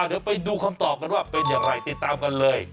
เดี๋ยวไปดูคำตอบกันว่าเป็นอย่างไรติดตามกันเลย